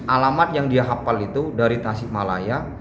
alamat yang dia hafal itu dari tasik malaya